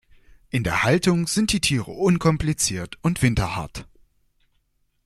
In der Haltung sind die Tiere unkompliziert und winterhart.